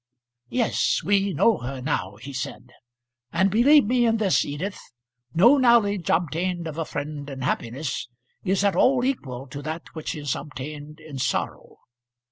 "Yes; we know her now," he said. "And believe me in this, Edith; no knowledge obtained of a friend in happiness is at all equal to that which is obtained in sorrow.